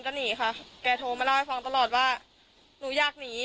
สุดท้ายตัดสินใจเดินทางไปร้องทุกข์การถูกกระทำชำระวจริงและตอนนี้ก็มีภาวะซึมเศร้าด้วยนะครับ